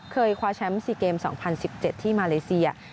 คว้าแชมป์๔เกม๒๐๑๗ที่มาเลเซีย